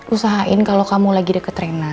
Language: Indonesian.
usahain kalau kamu lagi deket rena